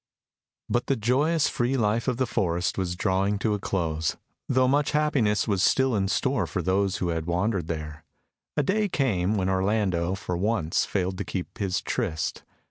But the joyous, free life of the forest was drawing to a close, though much happiness was still in store for those who had wandered there. A day came when Orlando for once failed to keep his tryst.